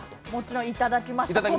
もちろん、いただきました。